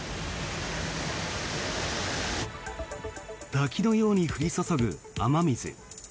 滝のように降り注ぐ雨水。